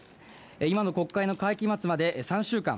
今の国会の会期末まで３週間。